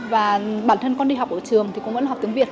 và bản thân con đi học ở trường thì cũng vẫn là học tiếng việt